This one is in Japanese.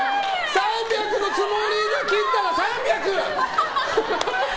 ３００のつもりで切ったら３００！